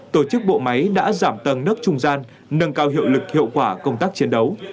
tổ chức bộ máy đã giảm tầng nước trung gian nâng cao hiệu lực hiệu quả công tác chiến đấu